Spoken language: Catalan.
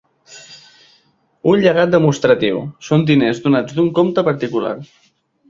Un llegat demostratiu, són diners donats d'un compte particular.